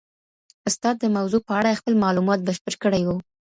استاد د موضوع په اړه خپل معلومات بشپړ کړي وو.